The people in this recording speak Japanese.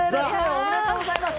おめでとうございます。